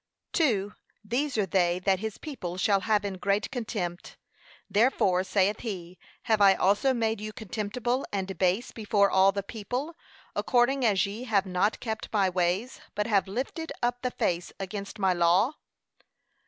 These are they that his people shall have in great contempt. 'Therefore,' saith he, 'have I also made you contemptible and base before all the people, according as ye have not kept my ways,' but have lifted up the face against my law.